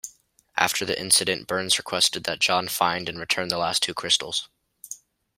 After the incident, Burns requests that John find and return the last two crystals.